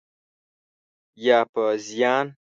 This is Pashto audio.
یا په زیان؟